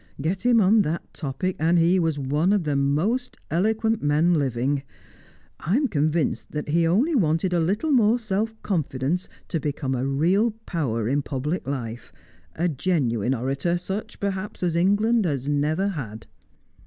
Get him on that topic, and he was one of the most eloquent men living. I am convinced that he only wanted a little more self confidence to become a real power in public life a genuine orator, such, perhaps, as England has never had."